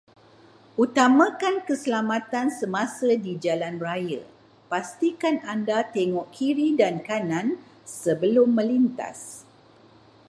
Utamakan keselamatan semasa di jalan raya, pastikan anda tengok kiri dan kanan sebelum menlintas.